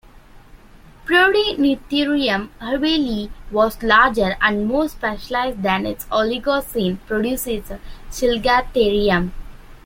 "Prodeinotherium hobleyi" was larger and more specialised than its Oligocene predecessor "Chilgatherium".